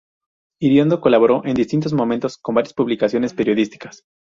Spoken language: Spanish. Iriondo colaboró en distintos momentos con varias publicaciones periodísticas.